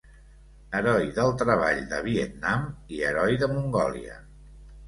Heroi del Treball de Vietnam i Heroi de Mongòlia.